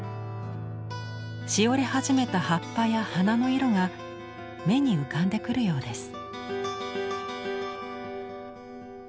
しおれ始めた葉っぱや花の色が目に浮かんでくるようです。